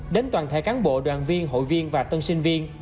đến toàn thể cán bộ đoàn viên hội viên và tân sinh viên